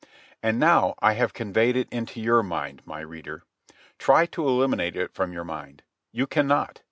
And now I have conveyed it into your mind, my reader. Try to eliminate it from your mind. You cannot.